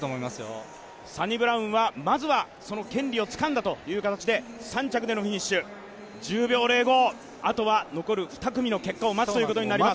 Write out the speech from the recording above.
サニブラウンは、まずはその権利をつかんだという形で３着でのフィニッシュ、１０秒０５、あとは残る２組の結果を待つということになります。